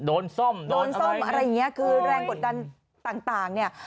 โดนส้มอะไรอย่างเงี้ยคือแรงกดดันต่างเนี่ย